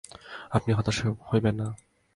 আপনি হতাশ হইবেন না।